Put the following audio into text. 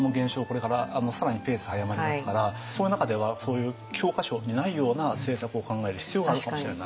これから更にペース速まりますからその中ではそういう教科書にないような政策を考える必要があるかもしれない。